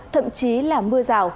thậm chí là mưa rào